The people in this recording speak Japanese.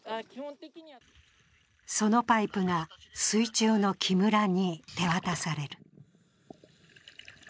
そのパイプが水中の木村に手渡される。